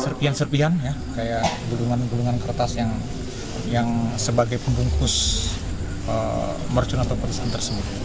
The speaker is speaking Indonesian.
serpian serpian kayak gulungan gulungan kertas yang sebagai pembungkus merculan petasan tersebut